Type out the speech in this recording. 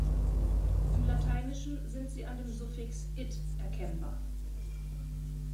Im Lateinischen sind sie an dem Suffix "-it" erkennbar.